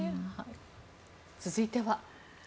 続いては。